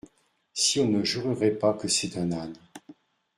Si on ne jurerait pas que c'est un âne !